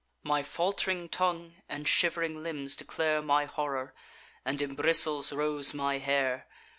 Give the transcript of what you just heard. "My falt'ring tongue and shiv'ring limbs declare My horror, and in bristles rose my hair.